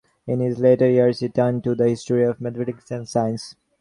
In his later years, he turned to the history of mathematics and science.